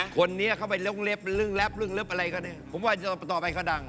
คนนี้เข้าไปเร่งเล็บเร่งแรปเร่งเล็บอะไรก็ได้ผมว่าต่อไปเขาดัง